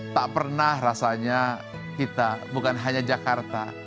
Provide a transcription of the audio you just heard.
tak pernah rasanya kita bukan hanya jakarta